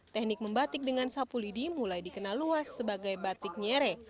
teknik membatik dengan sapu lidi mulai dikenal luas sebagai batik nyere